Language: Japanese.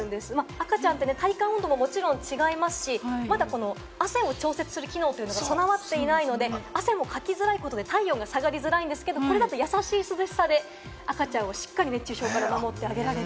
赤ちゃんって体感温度ももちろん違いますし、汗を調節する機能が備わっていないので、汗もかきづらいことで、体温が下がりづらいんですけれども、これだと優しい涼しさで赤ちゃんをしっかり熱中症から守ってあげられる。